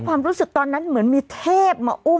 ฮ่าฮ่าฮ่าฮ่า